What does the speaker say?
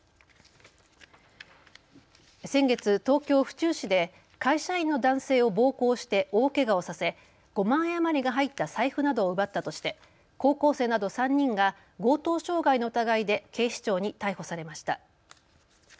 先月、東京府中市で会社員の男性を暴行して大けがをさせ５万円余りが入った財布などを奪ったとして高校生など３人が強盗傷害の疑いで警視庁に逮捕されました。